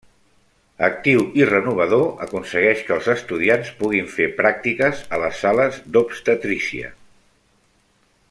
Actiu i renovador, aconsegueix que els estudiants puguin fer pràctiques a les sales d'Obstetrícia.